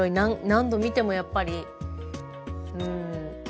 何度見てもやっぱりうん。